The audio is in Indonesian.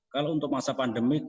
kalau untuk masa pandemik